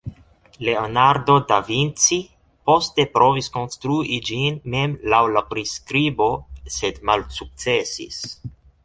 Leonardo da Vinci poste provis konstrui ĝin mem laŭ la priskribo, sed malsukcesis.